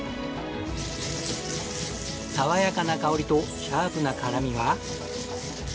爽やかな香りとシャープな辛味は。